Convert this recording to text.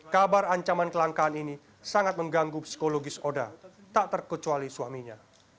kabar ancaman kelangkaan ini sangat mengganggu psikologis oda tak terkecuali suaminya